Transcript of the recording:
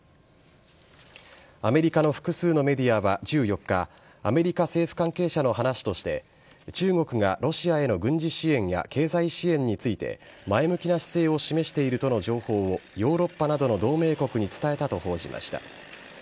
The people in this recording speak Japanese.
アメリカの複数のメディアは１４日、アメリカ政府関係者の話として、中国がロシアへの軍事支援や経済支援について、前向きな姿勢を示しているとの情報をヨーロッパなどの同盟国に伝えたと報じました。